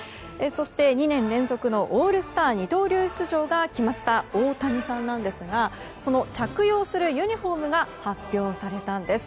そして、２年連続のオールスター二刀流出場が決まった大谷さんですが着用するユニホームが発表されたんです。